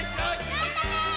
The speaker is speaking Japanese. またね！